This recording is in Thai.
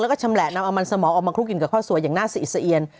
แล้วก็ชำแหละนำเอามันสมองออกมาคลุกกินกับข้าวสวยอย่างน่าสะอิดสะเอียน